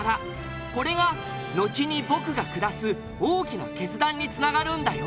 これがのちに僕が下す大きな決断に繋がるんだよ。